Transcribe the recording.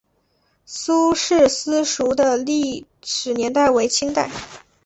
苏氏私塾的历史年代为清代。